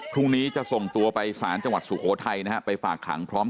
พรุ่งนี้จะส่งตัวไปสารจังหวัดสุโขทัยนะฮะไปฝากขังพร้อม